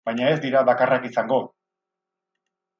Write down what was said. Baina ez dira bakarrak izango!